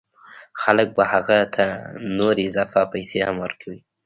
خلک به هغه ته نورې اضافه پیسې هم ورکوي